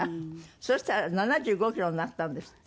そしたら７５キロになったんですって？